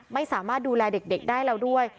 ไม่สามารถดูแลเด็กได้แล้วด้วย